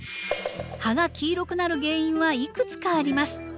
葉が黄色くなる原因はいくつかあります。